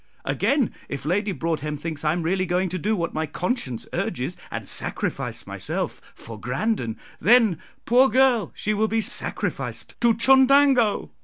Again, if Lady Broadhem thinks I am really going to do what my conscience urges, and sacrifice myself for Grandon, then, poor girl, she will be sacrificed to Chundango.